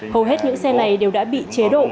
hầu hết những xe này đều đã bị chế độ